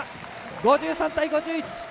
５３対５１。